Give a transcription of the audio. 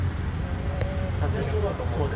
ちゃんと磨こうと思うという。